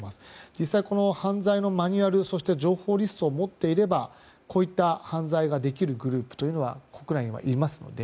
実際、犯罪のマニュアルそして情報リストを持っていればこういった犯罪ができるグループというのは国内にはいますので。